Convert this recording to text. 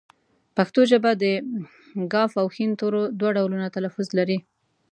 پښتو ژبه د ږ او ښ تورو دوه ډولونه تلفظ لري